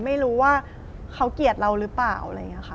ไม่รู้ว่าเขาเกลียดเราหรือเปล่าอะไรอย่างนี้ค่ะ